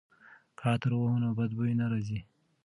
که عطر ووهو نو بد بوی نه راځي.